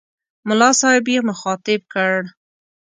ملا صاحب یې مخاطب کړ.